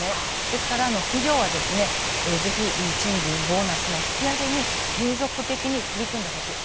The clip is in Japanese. ですから企業はぜひ賃金、ボーナスの引き上げに継続的に取り組んでほしい。